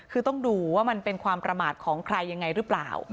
คือต้องดูว่ามันเป็นความประมาทของใครยังไงหรือเปล่า